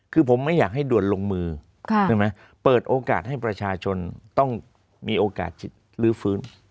คือผมไม่อยากให้ด่วนลงมือใช่ไหมเปิดโอกาสให้ประชาชนต้องมีโอกาสลื้อฟื้น